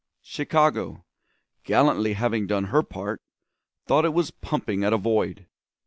Chicago, gallantly having done her part, thought it was pumping at a void.